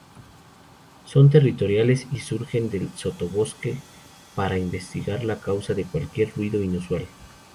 Son territoriales y surgen del sotobosque para investigar la causa de cualquier ruido inusual.